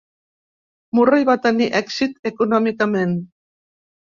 Murray va tenir èxit econòmicament.